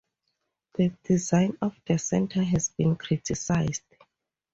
The design of the center has been criticized.